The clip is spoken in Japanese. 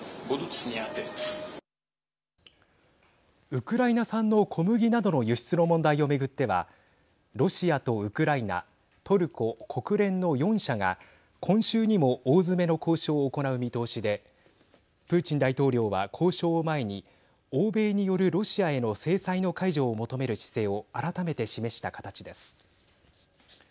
ウクライナ産の小麦などの輸出の問題を巡ってはロシアとウクライナトルコ、国連の４者が今週にも大詰めの交渉を行う見通しでプーチン大統領は交渉を前に欧米によるロシアへの制裁の解除を求める姿勢をあらためて示した形です。